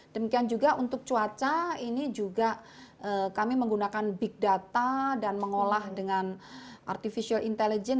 demikian juga untuk cuaca ini juga kami menggunakan big data dan mengolah dengan artificial intelligence